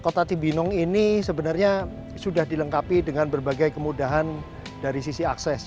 kota cibinong ini sebenarnya sudah dilengkapi dengan berbagai kemudahan dari sisi akses